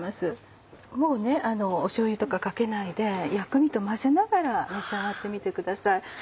もうしょうゆとかかけないで薬味と混ぜながら召し上がってみてください。